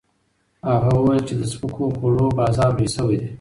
هغه وویل چې د سپکو خوړو بازار لوی شوی دی.